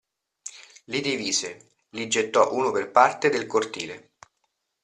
Li divise, li gettò uno per parte del cortile.